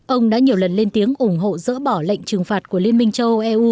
ông đã nhiều lần lên tiếng ủng hộ dỡ bỏ lệnh trừng phạt của liên minh châu âu eu